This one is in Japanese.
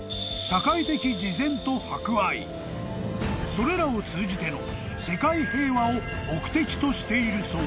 ［それらを通じての世界平和を目的としているそう］